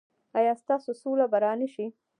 ایا ستاسو سوله به را نه شي؟